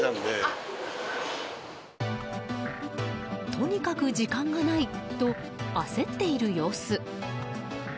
とにかく時間がないと焦っている様子。